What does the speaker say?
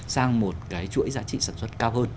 sang một cái chuỗi giá trị sản xuất cao hơn